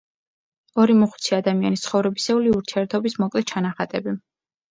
ორი მოხუცი ადამიანის ცხოვრებისეული ურთიერთობის მოკლე ჩანახატები.